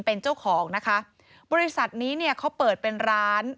เป็นเจ้าของนะคะบริษัทนี้เนี่ยเขาเปิดเป็นร้าน